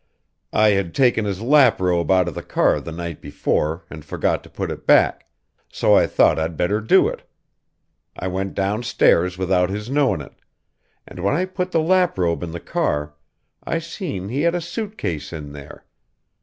I had taken his laprobe out of the car the night before and forgot to put it back so I thought I'd better do it. I went downstairs without his knowing it and when I put the laprobe in the car I seen he had a suit case in there.